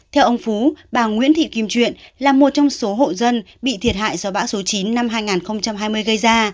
theo ông phú bà nguyễn thị kim truyện là một trong số hộ dân bị thiệt hại do bão số chín năm hai nghìn hai mươi gây ra